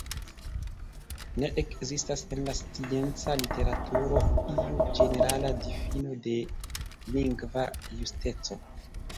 Ne ekzistas en la scienca literaturo iu ĝenerala difino de 'lingva justeco'.